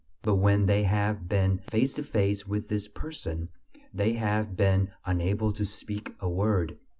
But when they have been face to face with this person, they have been unable to speak a word.